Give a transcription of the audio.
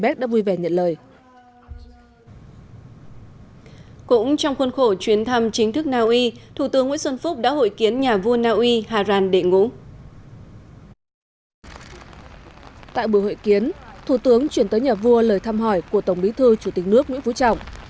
tại buổi hội kiến thủ tướng chuyển tới nhà vua lời thăm hỏi của tổng bí thư chủ tịch nước nguyễn phú trọng